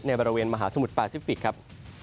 ในบริเวณมหาสมุทรแปซิฟิกครับ